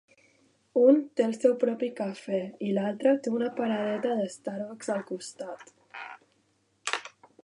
Un té el seu propi cafè i l'altre té una paradeta de l'Starbucks al costat.